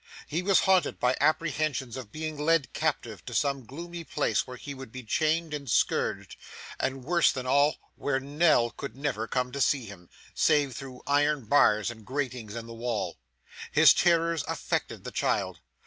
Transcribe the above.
He was haunted by apprehensions of being led captive to some gloomy place where he would be chained and scourged, and worse than all, where Nell could never come to see him, save through iron bars and gratings in the wall. His terrors affected the child.